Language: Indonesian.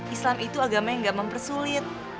islam itu agama yang gak mempersulit